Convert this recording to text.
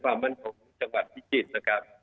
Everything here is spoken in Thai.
ความมั่นคงจังหวัดพิจิตรนะครับ